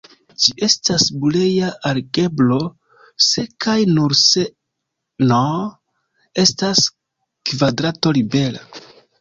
Ĝi estas bulea algebro se kaj nur se "n" estas kvadrato-libera.